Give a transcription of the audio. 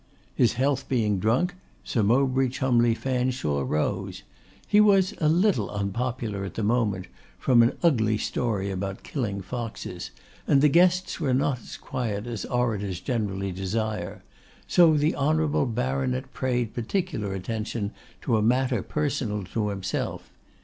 His health being drunk, Sir Mowbray Cholmondeley Fetherstonehaugh rose. He was a little unpopular at the moment, from an ugly story about killing foxes, and the guests were not as quiet as orators generally desire, so the Honourable Baronet prayed particular attention to a matter personal to himself.